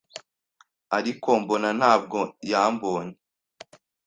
ariko mbona ntabwo yambonye